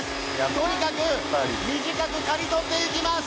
とにかく短く刈り取っていきます。